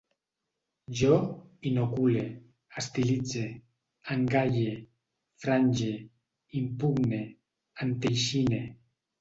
Jo inocule, estilitze, engalle, frange, impugne, enteixine